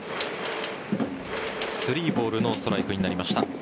３ボールノーストライクになりました。